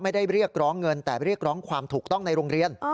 เรียกร้องเงินแต่เรียกร้องความถูกต้องในโรงเรียน